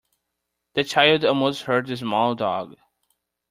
The child almost hurt the small dog.